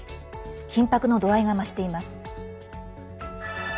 緊迫の度合いが増しています。